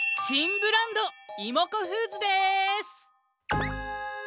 ブランドイモコフーズです！